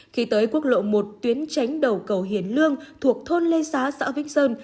khi tới quốc lộ một tuyến tránh đầu cầu hiền lương thuộc thôn lê xá xã vĩnh sơn